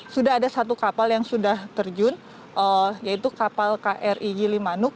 sudah ada satu kapal yang sudah terjun yaitu kapal kri gilimanuk